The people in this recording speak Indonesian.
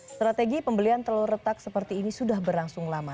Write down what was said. strategi pembelian telur retak seperti ini sudah berlangsung lama